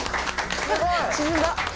すごい！沈んだ。